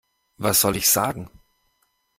Was soll ich sagen?